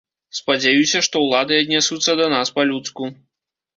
Спадзяюся, што ўлады аднясуцца да нас па-людску.